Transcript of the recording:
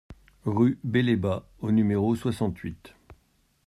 Rue Belébat au numéro soixante-huit